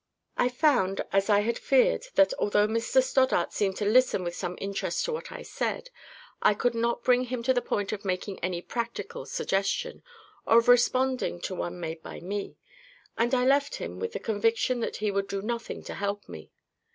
I found, as I had feared, that, although Mr. Stoddart seemed to listen with some interest to what I said, I could not bring him to the point of making any practical suggestion, or of responding to one made by me; and I left him with the conviction that he would do nothing to help me.